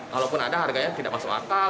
kalaupun ada harganya tidak masuk akal